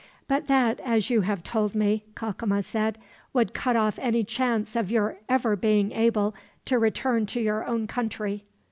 "But that, as you have told me," Cacama said, "would cut off any chance of your ever being able to return to your own country."